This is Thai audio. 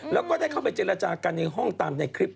แล้วก็ได้เข้าไปเจรจากันในห้องตามในคลิป